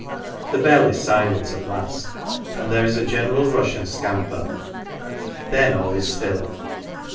The bell is silent at last, and there is a general rush and scamper ; then all is still.